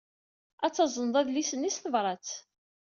Ad tazneḍ adlis-nni s tebṛat.